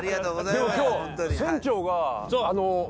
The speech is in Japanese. でも今日船長が。